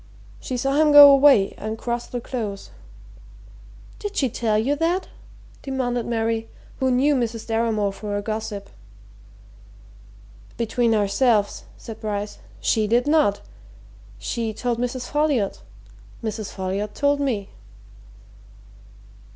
She saw him go away and cross the Close." "Did she tell you that?" demanded Mary, who knew Mrs. Deramore for a gossip. "Between ourselves," said Bryce, "she did not! She told Mrs. Folliot Mrs. Folliot told me."